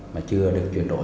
mà chưa được chuyển đổi